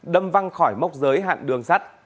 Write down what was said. đâm văng khỏi mốc giới hạn đường sắt